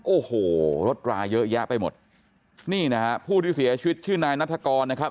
โอ้โหรถราเยอะแยะไปหมดนี่นะฮะผู้ที่เสียชีวิตชื่อนายนัฐกรนะครับ